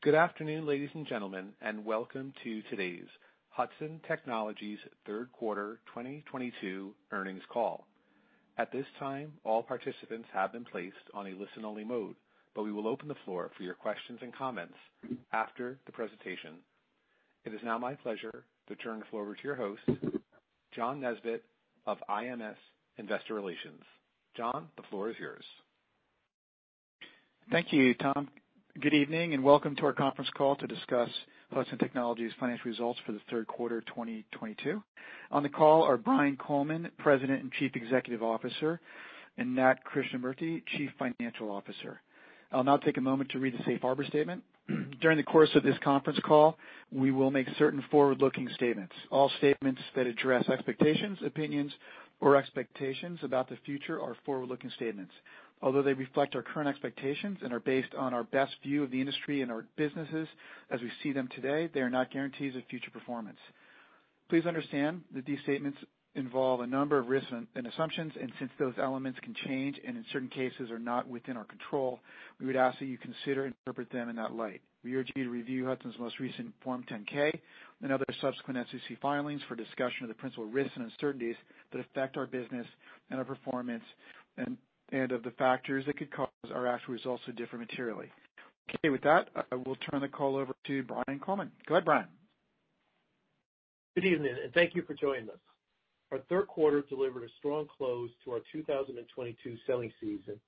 Good afternoon, ladies and gentlemen, and welcome to today's Hudson Technologies third quarter 2022 earnings call. At this time, all participants have been placed on a listen-only mode, but we will open the floor for your questions and comments after the presentation. It is now my pleasure to turn the floor over to your host, John Nesbett of IMS Investor Relations. John, the floor is yours. Thank you, Tom. Good evening, and welcome to our conference call to discuss Hudson Technologies financial results for the third quarter of 2022. On the call are Brian Coleman, President and Chief Executive Officer, and Nat Krishnamurti, Chief Financial Officer. I'll now take a moment to read the safe harbor statement. During the course of this conference call, we will make certain forward-looking statements. All statements that address expectations, opinions, or expectations about the future are forward-looking statements. Although they reflect our current expectations and are based on our best view of the industry and our businesses as we see them today, they are not guarantees of future performance. Please understand that these statements involve a number of risks, and assumptions, and since those elements can change and in certain cases are not within our control, we would ask that you consider and interpret them in that light. We urge you to review Hudson's most recent Form 10-K and other subsequent SEC filings for a discussion of the principal risks and uncertainties that affect our business and our performance and of the factors that could cause our actual results to differ materially. Okay. With that, I will turn the call over to Brian Coleman. Go ahead, Brian. Good evening, and thank you for joining us. Our third quarter delivered a strong close to our 2022 selling season,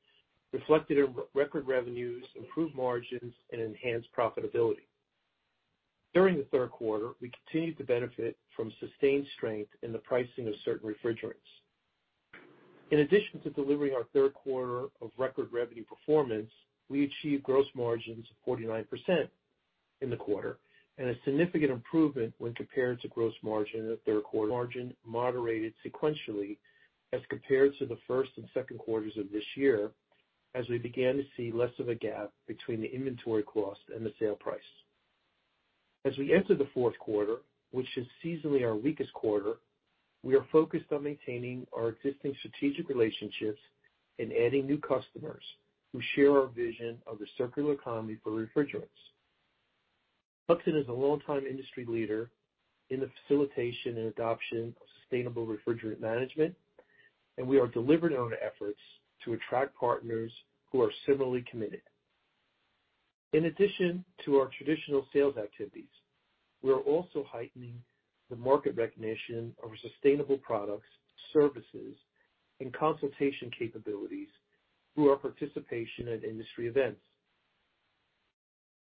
reflected in record revenues, improved margins, and enhanced profitability. During the third quarter, we continued to benefit from sustained strength in the pricing of certain refrigerants. In addition to delivering our third quarter of record revenue performance, we achieved gross margins of 49% in the quarter and a significant improvement when compared to gross margin in the third quarter. Margin moderated sequentially as compared to the first and second quarters of this year, as we began to see less of a gap between the inventory cost and the sale price. As we enter the fourth quarter, which is seasonally our weakest quarter, we are focused on maintaining our existing strategic relationships and adding new customers who share our vision of the circular economy for refrigerants. Hudson is a long-time industry leader in the facilitation and adoption of sustainable refrigerant management, and we are delivering on efforts to attract partners who are similarly committed. In addition to our traditional sales activities, we are also heightening the market recognition of our sustainable products, services, and consultation capabilities through our participation at industry events.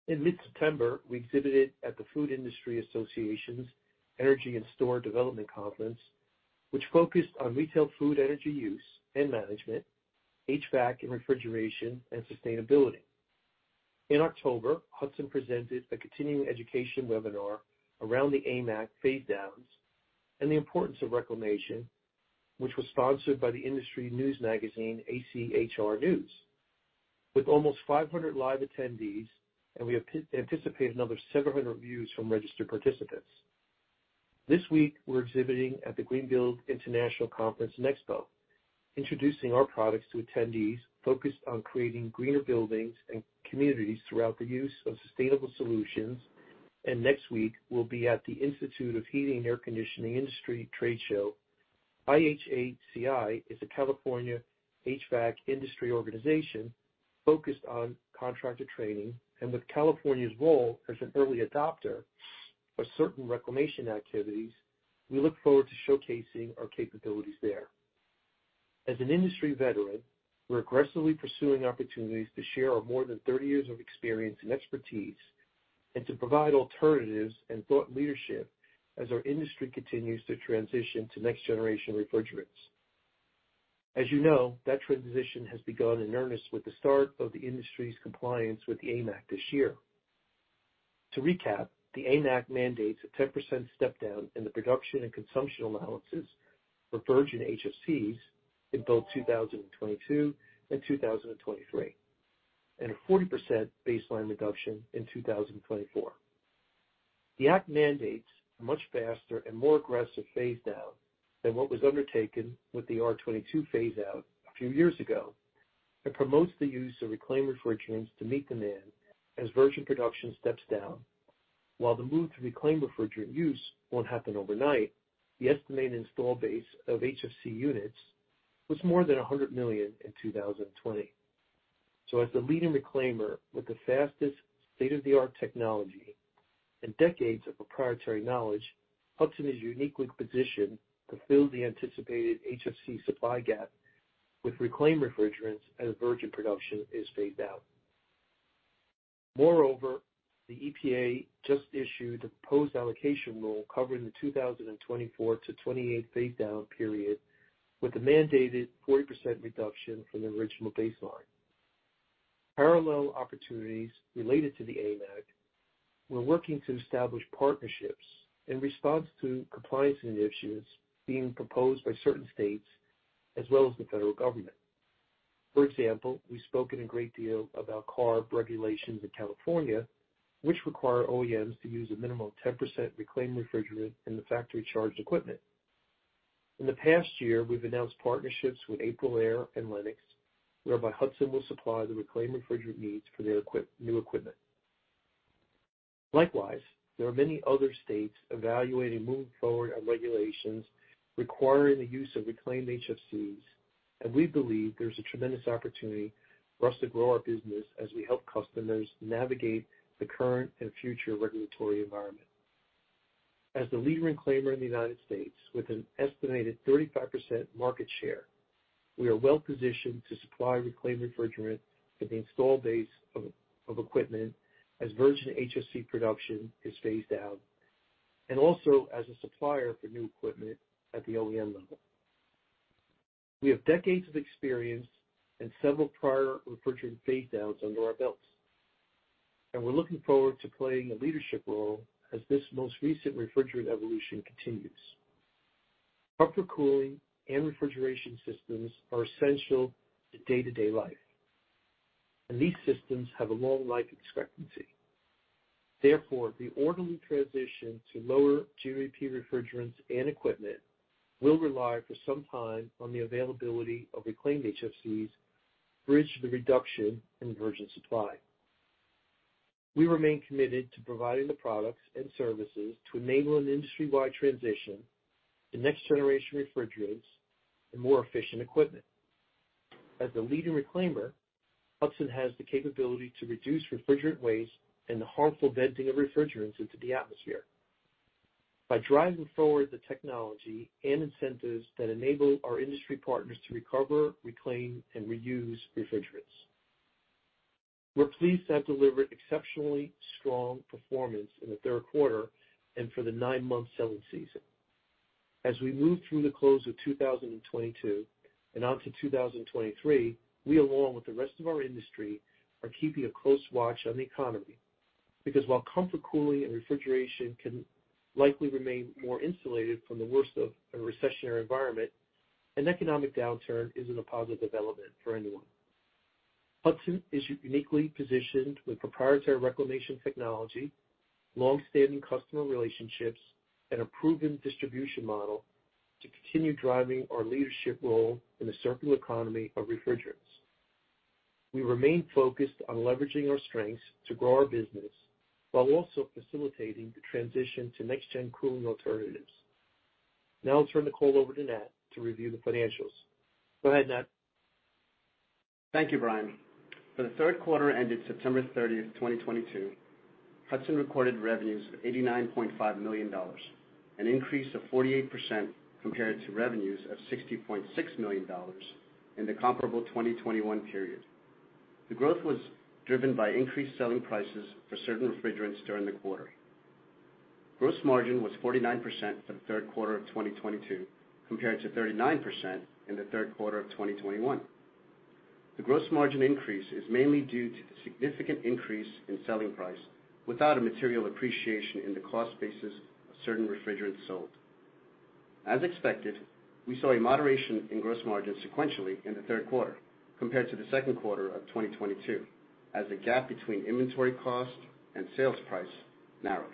In mid-September, we exhibited at the Food Industry Association's Energy and Store Development Conference, which focused on retail food energy use and management, HVAC and refrigeration, and sustainability. In October, Hudson presented a continuing education webinar around the AIM Act phase downs and the importance of reclamation, which was sponsored by the industry news magazine, ACHR News. With almost 500 live attendees, and we anticipate another 700 views from registered participants. This week, we're exhibiting at the Greenbuild International Conference and Expo, introducing our products to attendees focused on creating greener buildings and communities throughout the use of sustainable solutions. Next week, we'll be at the Institute of Heating and Air Conditioning Industries trade show. IHACI is a California HVAC industry organization focused on contractor training. With California's role as an early adopter for certain reclamation activities, we look forward to showcasing our capabilities there. As an industry veteran, we're aggressively pursuing opportunities to share our more than 30 years of experience and expertise and to provide alternatives and thought leadership as our industry continues to transition to next-generation refrigerants. As you know, that transition has begun in earnest with the start of the industry's compliance with the AIM Act this year. To recap, the AIM Act mandates a 10% step down in the production and consumption allowances for virgin HFCs in both 2022 and 2023, and a 40% baseline reduction in 2024. The act mandates a much faster and more aggressive phase down than what was undertaken with the R22 phase out a few years ago. It promotes the use of reclaimed refrigerants to meet demand as virgin production steps down. While the move to reclaimed refrigerant use won't happen overnight, the estimated installed base of HFC units was more than 100 million in 2020. As the leading reclaimer with the fastest state-of-the-art technology and decades of proprietary knowledge, Hudson is uniquely positioned to fill the anticipated HFC supply gap with reclaimed refrigerants as virgin production is phased out. Moreover, the EPA just issued a proposed allocation rule covering the 2024-2028 phase down period with a mandated 40% reduction from the original baseline. Parallel opportunities related to the AIM Act, we're working to establish partnerships in response to compliance initiatives being proposed by certain states as well as the federal government. For example, we've spoken a great deal about CARB regulations in California, which require OEMs to use a minimum of 10% reclaimed refrigerant in the factory charged equipment. In the past year, we've announced partnerships with Aprilaire and Lennox, whereby Hudson will supply the reclaimed refrigerant needs for their new equipment. Likewise, there are many other states evaluating moving forward on regulations requiring the use of reclaimed HFCs, and we believe there's a tremendous opportunity for us to grow our business as we help customers navigate the current and future regulatory environment. As the lead reclaimer in the United States with an estimated 35% market share, we are well-positioned to supply reclaimed refrigerant for the installed base of equipment as virgin HFC production is phased out, and also as a supplier for new equipment at the OEM level. We have decades of experience and several prior refrigerant phase downs under our belts, and we're looking forward to playing a leadership role as this most recent refrigerant evolution continues. Comfort, cooling, and refrigeration systems are essential to day-to-day life, and these systems have a long life expectancy. Therefore, the orderly transition to lower GWP refrigerants and equipment will rely for some time on the availability of reclaimed HFCs to bridge the reduction in virgin supply. We remain committed to providing the products and services to enable an industry-wide transition to next generation refrigerants and more efficient equipment. As the leading reclaimer, Hudson has the capability to reduce refrigerant waste and the harmful venting of refrigerants into the atmosphere by driving forward the technology and incentives that enable our industry partners to recover, reclaim, and reuse refrigerants. We're pleased to have delivered exceptionally strong performance in the third quarter and for the nine-month selling season. As we move through the close of 2022 and onto 2023, we, along with the rest of our industry, are keeping a close watch on the economy because while comfort, cooling, and refrigeration can likely remain more insulated from the worst of a recessionary environment, an economic downturn isn't a positive development for anyone. Hudson is uniquely positioned with proprietary reclamation technology, long-standing customer relationships, and a proven distribution model to continue driving our leadership role in the circular economy of refrigerants. We remain focused on leveraging our strengths to grow our business while also facilitating the transition to next gen cooling alternatives. Now I'll turn the call over to Nat to review the financials. Go ahead, Nat. Thank you, Brian. For the third quarter ended September 30, 2022, Hudson recorded revenues of $89.5 million, an increase of 48% compared to revenues of $60.6 million in the comparable 2021 period. The growth was driven by increased selling prices for certain refrigerants during the quarter. Gross margin was 49% for the third quarter of 2022, compared to 39% in the third quarter of 2021. The gross margin increase is mainly due to the significant increase in selling price without a material appreciation in the cost basis of certain refrigerants sold. As expected, we saw a moderation in gross margin sequentially in the third quarter compared to the second quarter of 2022, as the gap between inventory cost and sales price narrowed.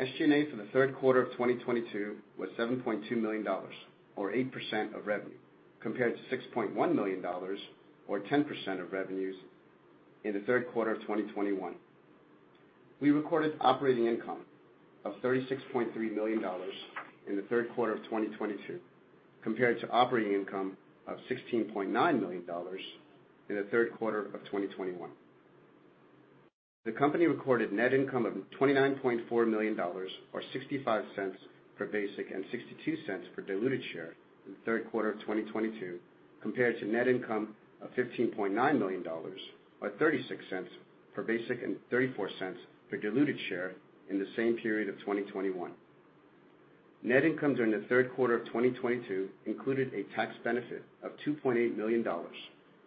SG&A for the third quarter of 2022 was $7.2 million or 8% of revenue, compared to $6.1 million or 10% of revenues in the third quarter of 2021. We recorded operating income of $36.3 million in the third quarter of 2022, compared to operating income of $16.9 million in the third quarter of 2021. The company recorded net income of $29.4 million or $0.65 per basic and $0.62 per diluted share in the third quarter of 2022, compared to net income of $15.9 million or $0.36 per basic and $0.34 per diluted share in the same period of 2021. Net income in the third quarter of 2022 included a tax benefit of $2.8 million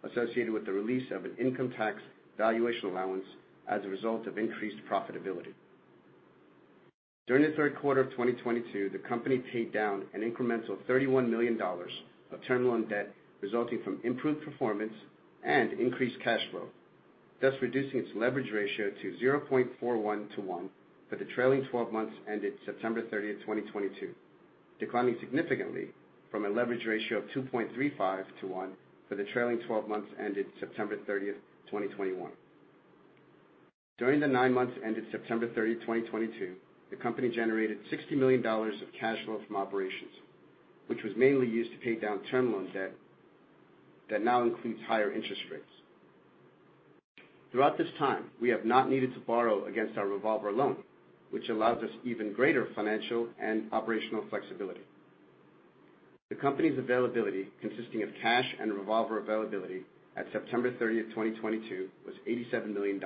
associated with the release of an income tax valuation allowance as a result of increased profitability. During the third quarter of 2022, the company paid down an incremental $31 million of term loan debt, resulting from improved performance and increased cash flow, thus reducing its leverage ratio to 0.41-1 for the trailing twelve months ended September 30th, 2022, declining significantly from a leverage ratio of 2.35-1 for the trailing 12 months ended September 30th, 2021. During the nine months ended September 30, 2022, the company generated $60 million of cash flow from operations, which was mainly used to pay down term loan debt that now includes higher interest rates. Throughout this time, we have not needed to borrow against our revolver loan, which allows us even greater financial and operational flexibility. The company's availability, consisting of cash and revolver availability at September 30th, 2022, was $87 million.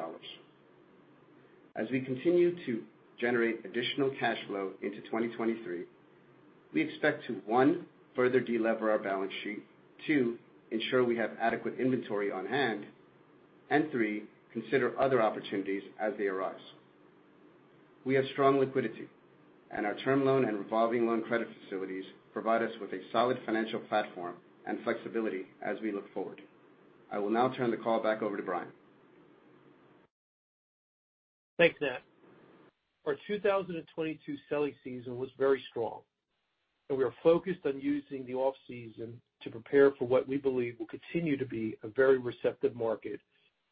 As we continue to generate additional cash flow into 2023, we expect to, one, further delever our balance sheet. Two, ensure we have adequate inventory on hand. And three, consider other opportunities as they arise. We have strong liquidity, and our term loan and revolving loan credit facilities provide us with a solid financial platform and flexibility as we look forward. I will now turn the call back over to Brian. Thanks, Nat. Our 2022 selling season was very strong, and we are focused on using the off-season to prepare for what we believe will continue to be a very receptive market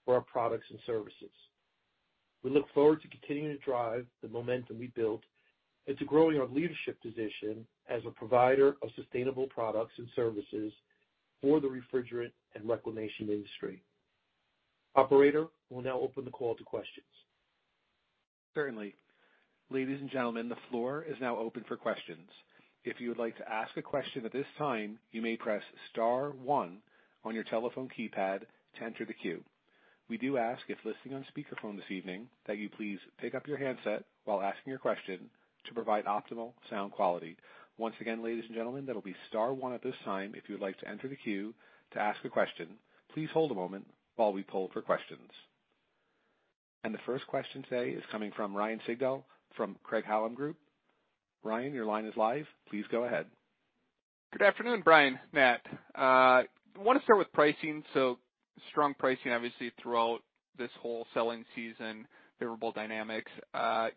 for our products and services. We look forward to continuing to drive the momentum we built and to growing our leadership position as a provider of sustainable products and services for the refrigerant and reclamation industry. Operator, we'll now open the call to questions. Certainly. Ladies and gentlemen, the floor is now open for questions. If you would like to ask a question at this time, you may press star one on your telephone keypad to enter the queue. We do ask, if listening on speakerphone this evening, that you please pick up your handset while asking your question to provide optimal sound quality. Once again, ladies and gentlemen, that'll be star one at this time if you would like to enter the queue to ask a question. Please hold a moment while we poll for questions. The first question today is coming from Ryan Sigdahl from Craig-Hallum Capital Group. Ryan, your line is live. Please go ahead. Good afternoon, Brian, Nat. I wanna start with pricing. Strong pricing obviously throughout this whole selling season, favorable dynamics.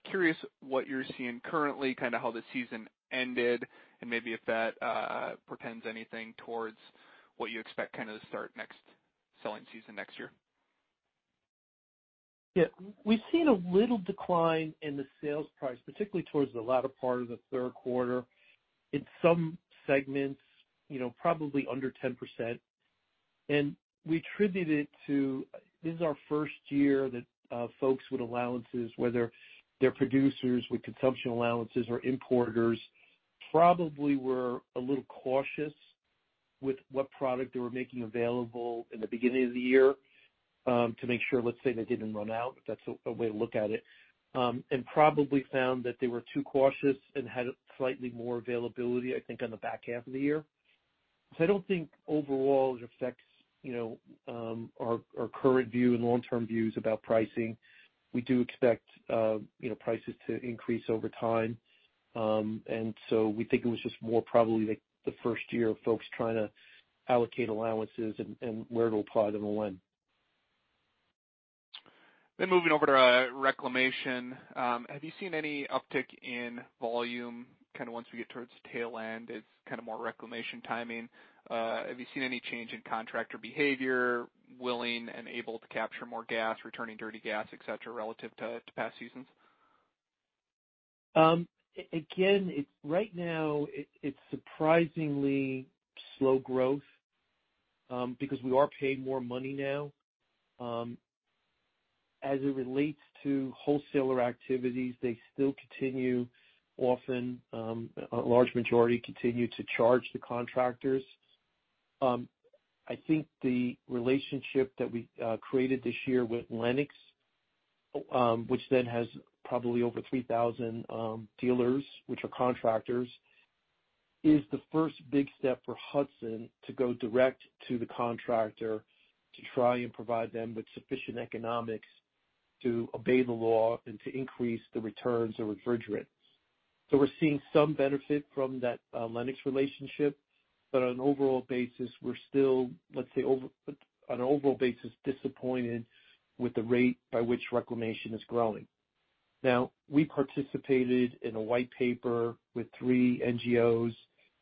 Curious what you're seeing currently, kinda how the season ended and maybe if that portends anything towards what you expect kinda to start next selling season next year. Yeah. We've seen a little decline in the sales price, particularly towards the latter part of the third quarter. In some segments, you know, probably under 10%. We attribute it to this is our first year that folks with allowances, whether they're producers with consumption allowances or importers, probably were a little cautious with what product they were making available in the beginning of the year, to make sure, let's say, they didn't run out, if that's a way to look at it. And probably found that they were too cautious and had slightly more availability, I think, on the back half of the year. I don't think overall it affects, you know, our current view and long-term views about pricing. We do expect, you know, prices to increase over time. We think it was just more probably like the first year of folks trying to allocate allowances and where it'll apply to them when. Moving over to reclamation. Have you seen any uptick in volume kinda once we get towards the tail end as kinda more reclamation timing? Have you seen any change in contractor behavior, willing and able to capture more gas, returning dirty gas, et cetera, relative to past seasons? It's surprisingly slow growth because we are paid more money now. As it relates to wholesaler activities, they still continue often, a large majority continue to charge the contractors. I think the relationship that we created this year with Lennox, which then has probably over 3,000 dealers, which are contractors, is the first big step for Hudson to go direct to the contractor to try and provide them with sufficient economics to obey the law and to increase the returns of refrigerants. We're seeing some benefit from that, Lennox relationship, but on an overall basis, we're still, let's say, disappointed with the rate by which reclamation is growing. We participated in a white paper with three NGOs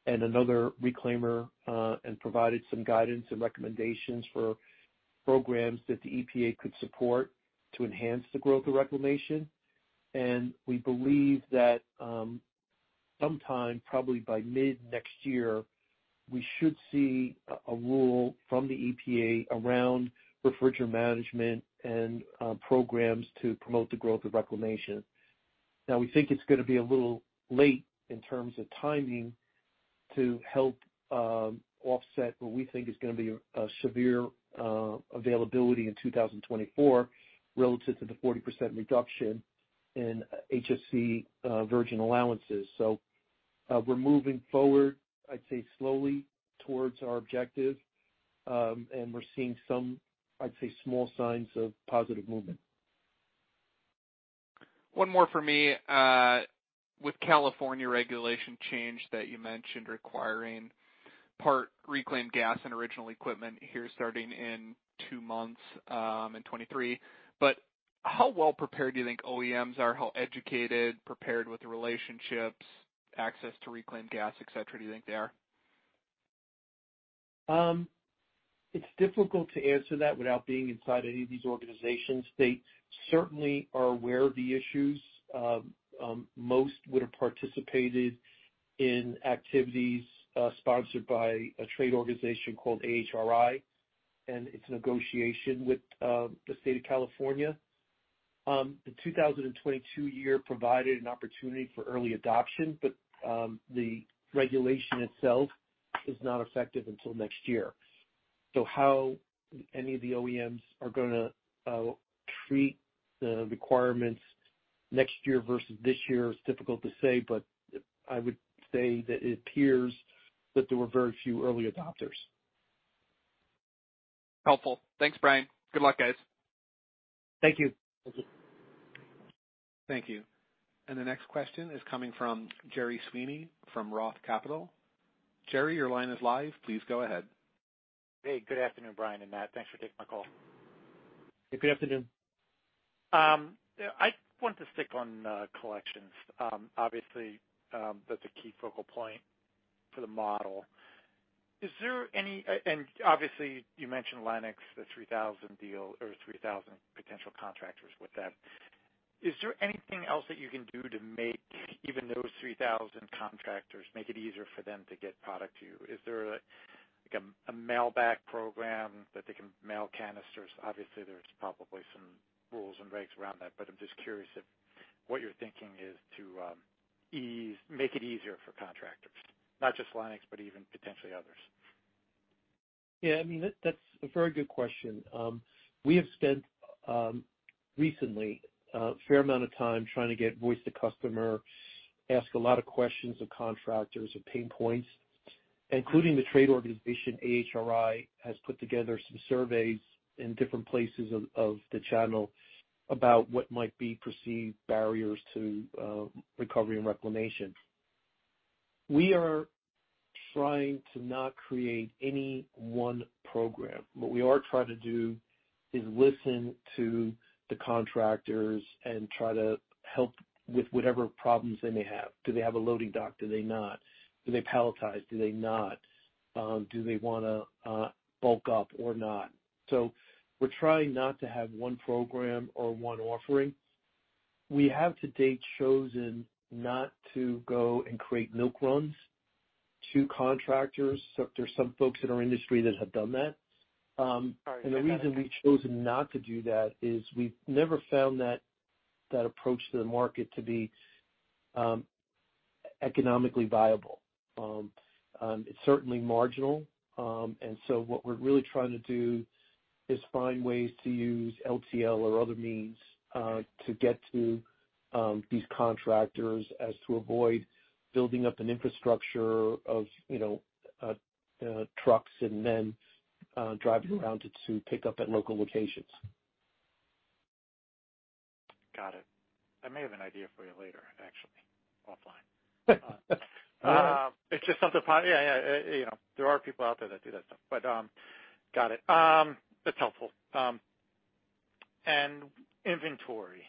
and another reclaimer, and provided some guidance and recommendations for programs that the EPA could support to enhance the growth of reclamation. We believe that, sometime, probably by mid-next year, we should see a rule from the EPA around refrigerant management and programs to promote the growth of reclamation. Now, we think it's gonna be a little late in terms of timing to help offset what we think is gonna be a severe availability in 2024 relative to the 40% reduction in HFC virgin allowances. We're moving forward, I'd say, slowly towards our objective, and we're seeing some, I'd say, small signs of positive movement. One more for me. With California regulation change that you mentioned requiring part reclaimed gas and original equipment here starting in two months in 2023. How well prepared do you think OEMs are? How educated, prepared with the relationships, access to reclaimed gas, et cetera, do you think they are? It's difficult to answer that without being inside any of these organizations. They certainly are aware of the issues. Most would have participated in activities sponsored by a trade organization called AHRI, and it's in negotiation with the state of California. The 2022 year provided an opportunity for early adoption, but the regulation itself is not effective until next year. How any of the OEMs are gonna treat the requirements next year versus this year is difficult to say, but I would say that it appears that there were very few early adopters. Helpful. Thanks, Brian. Good luck, guys. Thank you. Thank you. The next question is coming from Jerry Sweeney from Roth Capital. Jerry, your line is live. Please go ahead. Hey, good afternoon, Brian and Nat. Thanks for taking my call. Hey, good afternoon. I want to stick on collections. Obviously, that's a key focal point for the model. Obviously you mentioned Lennox, the 3,000 deal or 3,000 potential contractors with that. Is there anything else that you can do to make even those 3,000 contractors make it easier for them to get product to you? Is there like a mail back program that they can mail canisters? Obviously, there's probably some rules and regs around that, but I'm just curious if what you're thinking is to make it easier for contractors, not just Lennox but even potentially others. Yeah, I mean, that's a very good question. We have spent recently a fair amount of time trying to get voice to customer, ask a lot of questions of contractors and pain points, including the trade organization. AHRI has put together some surveys in different places of the channel about what might be perceived barriers to recovery and reclamation. We are trying to not create any one program. What we are trying to do is listen to the contractors and try to help with whatever problems they may have. Do they have a loading dock? Do they not? Do they palletize, do they not? Do they wanna bulk up or not? We're trying not to have one program or one offering. We have to date chosen not to go and create milk runs to contractors. There's some folks in our industry that have done that. The reason we've chosen not to do that is we've never found that approach to the market to be economically viable. It's certainly marginal. What we're really trying to do is find ways to use LTL or other means to get to these contractors so as to avoid building up an infrastructure of you know trucks and then driving around to pick up at local locations. Got it. I may have an idea for you later, actually, offline. All right. It's just something. Yeah, yeah, you know, there are people out there that do that stuff, but got it. That's helpful. Inventory,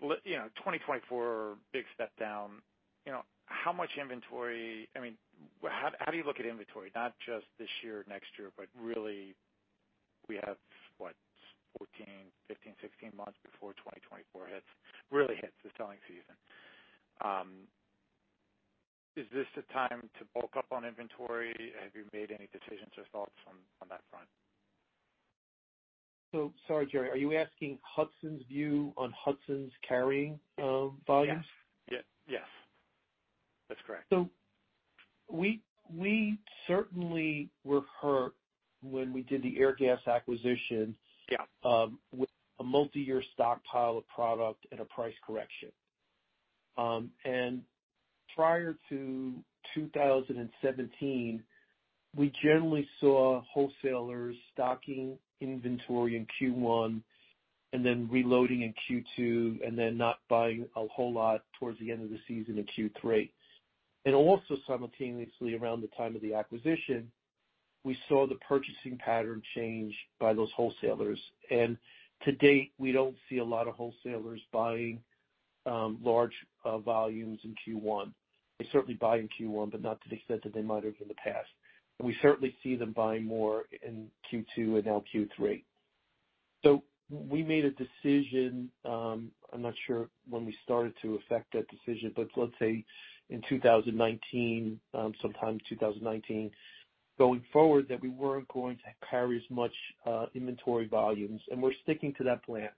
you know, 2024, big step down. You know, how much inventory? I mean, how do you look at inventory not just this year, next year, but really we have, what, 14, 15, 16 months before 2024 hits, really hits the selling season. Is this the time to bulk up on inventory? Have you made any decisions or thoughts on that front? Sorry, Jerry, are you asking Hudson's view on Hudson's carrying volumes? Yeah. Yes. That's correct. We certainly were hurt when we did the Airgas acquisition. Yeah. With a multi-year stockpile of product and a price correction. Prior to 2017, we generally saw wholesalers stocking inventory in Q1 and then reloading in Q2 and then not buying a whole lot towards the end of the season in Q3. Also simultaneously around the time of the acquisition, we saw the purchasing pattern change by those wholesalers. To date, we don't see a lot of wholesalers buying large volumes in Q1. They certainly buy in Q1, but not to the extent that they might have in the past. We certainly see them buying more in Q2 and now Q3. We made a decision, I'm not sure when we started to effect that decision, but let's say in 2019, sometime in 2019, going forward, that we weren't going to carry as much inventory volumes, and we're sticking to that plan.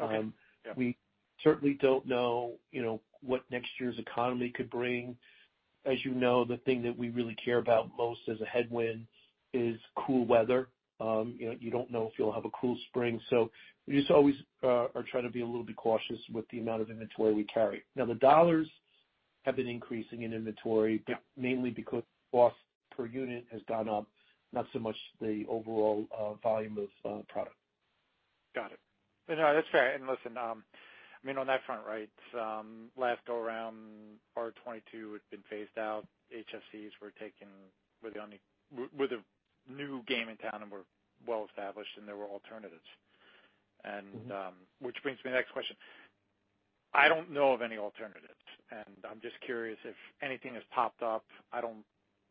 Okay. Yeah. We certainly don't know, you know, what next year's economy could bring. As you know, the thing that we really care about most as a headwind is cool weather. You know, you don't know if you'll have a cool spring. We just always are trying to be a little bit cautious with the amount of inventory we carry. Now, the dollars have been increasing in inventory. Yeah. Mainly because cost per unit has gone up, not so much the overall volume of product. Got it. No, that's fair. Listen, I mean, on that front, right, last go around R22 had been phased out. HFCs were taken. We're the new game in town, and we're well established, and there were alternatives. Mm-hmm. which brings me to the next question. I don't know of any alternatives, and I'm just curious if anything has popped up. I don't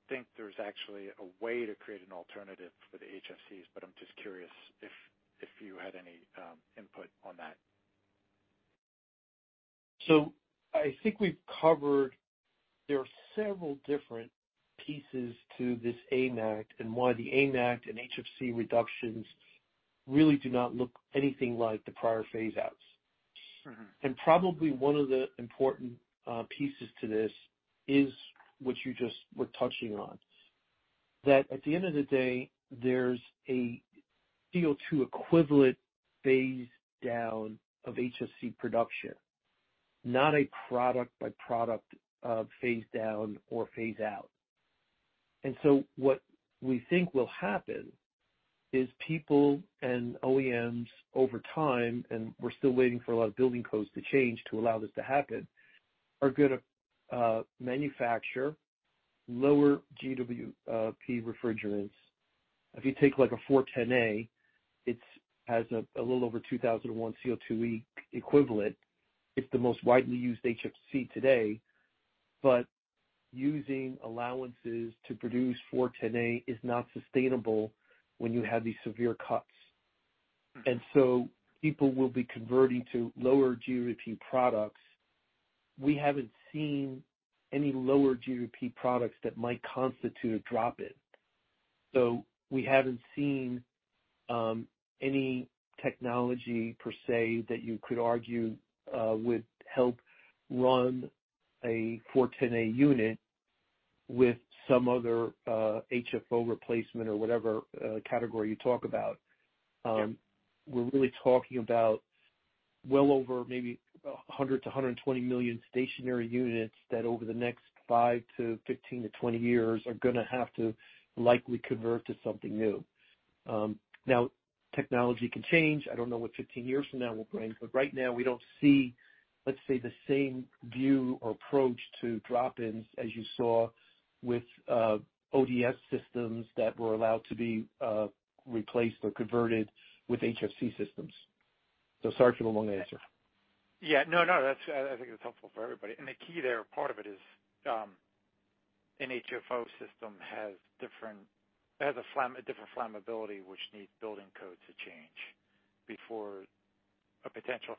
think there's actually a way to create an alternative for the HFCs, but I'm just curious if you had any input on that. I think we've covered. There are several different pieces to this AIM Act and why the AIM Act and HFC reductions really do not look anything like the prior phase outs. Mm-hmm. Probably one of the important pieces to this is what you just were touching on. That at the end of the day, there's a CO2 equivalent phase down of HFC production, not a product by product phase down or phase out. What we think will happen is people and OEMs over time, and we're still waiting for a lot of building codes to change to allow this to happen, are gonna manufacture lower GWP refrigerants. If you take like a R-410A, it has a little over 2,100 CO2e equivalent. It's the most widely used HFC today, but using allowances to produce R-410A is not sustainable when you have these severe cuts. Mm. People will be converting to lower GWP products. We haven't seen any lower GWP products that might constitute a drop-in. We haven't seen any technology per se that you could argue would help run a 410A unit with some other HFO replacement or whatever category you talk about. Yeah. We're really talking about well over maybe 100-120 million stationary units that over the next 5 to 15 to 20 years are gonna have to likely convert to something new. Now technology can change. I don't know what 15 years from now will bring, but right now we don't see, let's say, the same view or approach to drop-ins as you saw with ODS systems that were allowed to be replaced or converted with HFC systems. Sorry for the long answer. Yeah. No, no, that's. I think it's helpful for everybody. The key there, part of it is, an HFO system has a different flammability, which needs building codes to change before a potential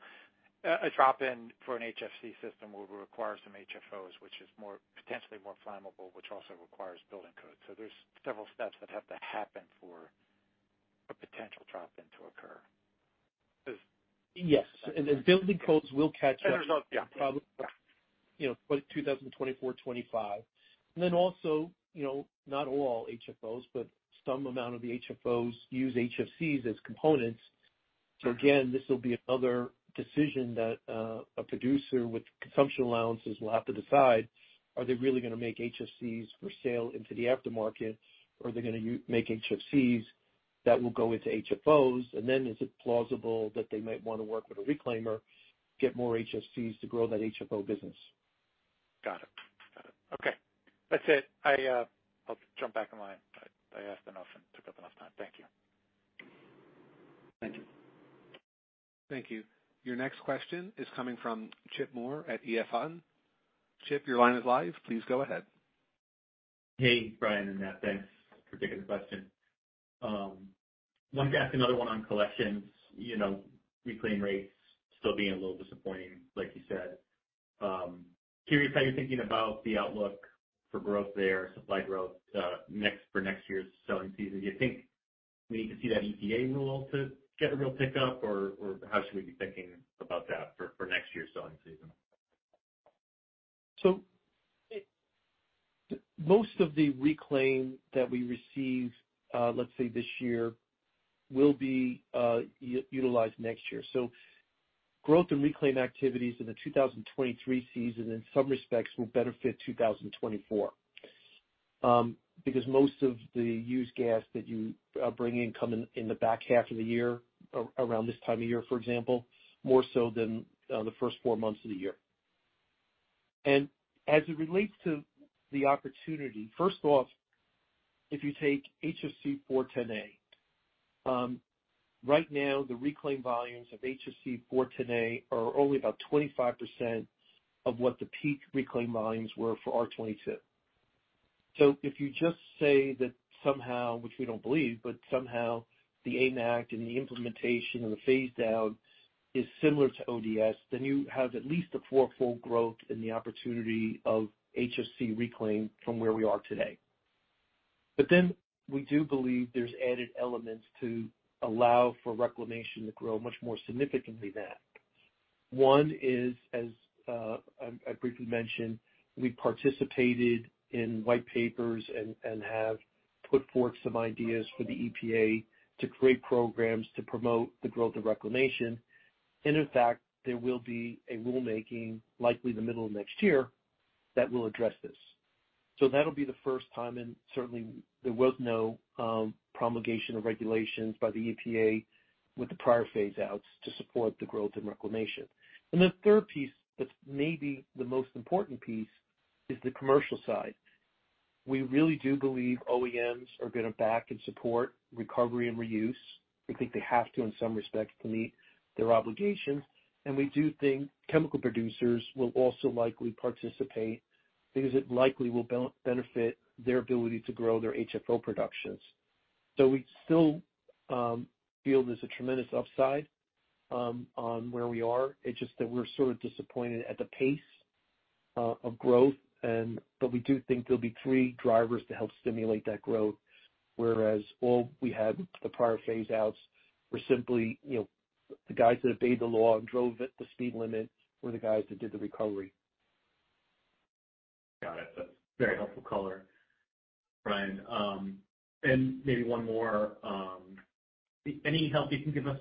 drop-in for an HFC system will require some HFOs, which is more, potentially more flammable, which also requires building codes. There's several steps that have to happen for a potential drop-in to occur. Yes. The building codes will catch up. There's not. Yeah. Probably, you know, by 2024, 2025. Then also, you know, not all HFOs, but some amount of the HFOs use HFCs as components. Again, this will be another decision that a producer with consumption allowances will have to decide, are they really gonna make HFCs for sale into the aftermarket or are they gonna make HFCs that will go into HFOs? Is it plausible that they might wanna work with a reclaimer, get more HFCs to grow that HFO business. Got it. Okay. That's it. I'll jump back in line. I asked enough and took up enough time. Thank you. Thank you. Thank you. Your next question is coming from Chip Moore at EF Hutton. Chip, your line is live. Please go ahead. Hey, Brian and Nat, thanks for taking the question. Wanted to ask another one on collections, you know, reclaim rates still being a little disappointing, like you said. Curious how you're thinking about the outlook for growth there, supply growth, next, for next year's selling season. Do you think we need to see that EPA rule to get a real pickup or how should we be thinking about that for next year's selling season? Most of the reclaim that we receive, let's say this year will be utilized next year. Growth and reclaim activities in the 2023 season in some respects will benefit 2024, because most of the used gas that you bring in come in the back half of the year, around this time of year, for example, more so than the first four months of the year. As it relates to the opportunity, first off, if you take HFC 410A, right now the reclaim volumes of HFC 410A are only about 25% of what the peak reclaim volumes were for R-22. If you just say that somehow, which we don't believe, but somehow the AIM Act and the implementation and the phase down is similar to ODS, then you have at least a fourfold growth in the opportunity of HFC reclaim from where we are today. We do believe there's added elements to allow for reclamation to grow much more significantly than that. One is, as I briefly mentioned, we participated in white papers and have put forth some ideas for the EPA to create programs to promote the growth of reclamation. In fact, there will be a rulemaking likely in the middle of next year that will address this. That'll be the first time, and certainly there was no promulgation of regulations by the EPA with the prior phase outs to support the growth in reclamation. The third piece that's maybe the most important piece is the commercial side. We really do believe OEMs are gonna back and support recovery and reuse. We think they have to in some respects, to meet their obligations. We do think chemical producers will also likely participate because it likely will benefit their ability to grow their HFO productions. We still feel there's a tremendous upside on where we are. It's just that we're sort of disappointed at the pace of growth. We do think there'll be three drivers to help stimulate that growth, whereas all we had the prior phase outs were simply, you know, the guys that obeyed the law and drove at the speed limit were the guys that did the recovery. Got it. That's a very helpful color, Brian. Maybe one more. Any help you can give us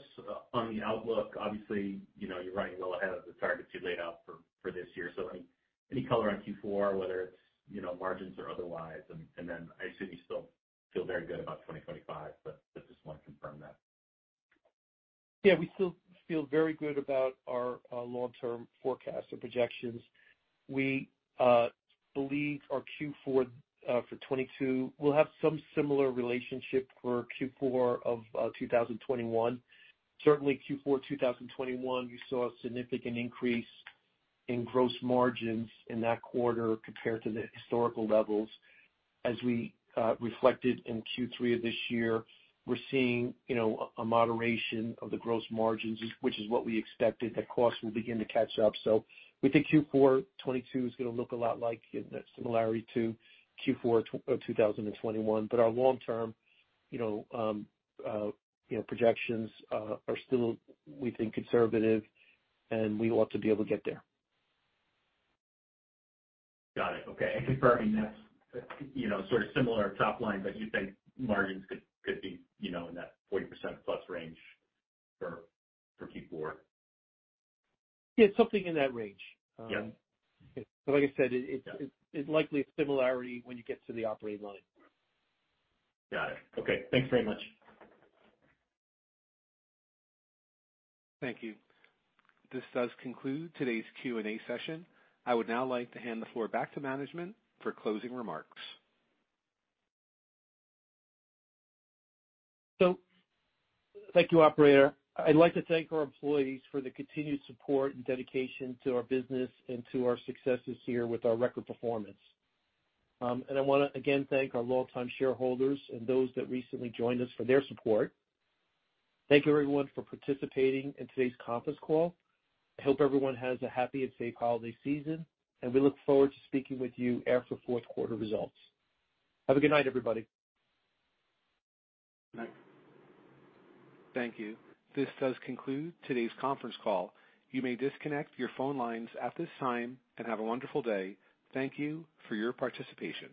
on the outlook? Obviously, you know, you're running well ahead of the targets you laid out for this year. Any color on Q4, whether it's, you know, margins or otherwise. Then I assume you still feel very good about 2025, but just wanna confirm that. Yeah, we still feel very good about our long-term forecast or projections. We believe our Q4 for 2022 will have some similar relationship for Q4 of 2021. Certainly Q4 2021, you saw a significant increase in gross margins in that quarter compared to the historical levels. As we reflected in Q3 of this year, we're seeing, you know, a moderation of the gross margins, which is what we expected, that costs will begin to catch up. We think Q4 2022 is gonna look a lot like, you know, similarity to Q4 2021. Our long term, you know, you know, projections are still, we think, conservative, and we ought to be able to get there. Got it. Okay. Confirming that's, you know, sort of similar top line, but you think margins could be, you know, in that 40% plus range for Q4? Yeah, something in that range. Yeah. Like I said, it's likely a similarity when you get to the operating line. Got it. Okay. Thanks very much. Thank you. This does conclude today's Q&A session. I would now like to hand the floor back to management for closing remarks. Thank you, operator. I'd like to thank our employees for the continued support and dedication to our business and to our successes here with our record performance. I wanna again thank our long-time shareholders and those that recently joined us for their support. Thank you everyone for participating in today's conference call. I hope everyone has a happy and safe holiday season, and we look forward to speaking with you after fourth quarter results. Have a good night, everybody. Good night. Thank you. This does conclude today's conference call. You may disconnect your phone lines at this time, and have a wonderful day. Thank you for your participation.